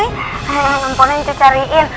eh ampunnya ngecariin